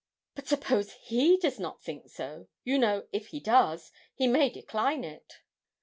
'But suppose he does not think so. You know, if he does, he may decline it.'